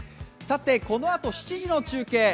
さてこのあと７時の中継